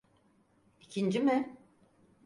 İkinci mi?